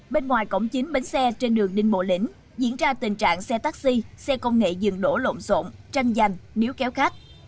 bên ngoài cổng chính bến xe trên đường đinh bộ lĩnh diễn ra tình trạng xe taxi xe công nghệ dừng đổ lộn xộn tranh giành níu kéo khách